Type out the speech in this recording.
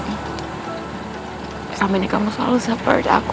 selama ini kamu selalu seperti aku